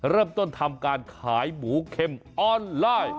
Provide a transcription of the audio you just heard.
เริ่มต้นทำการขายหมูเค็มออนไลน์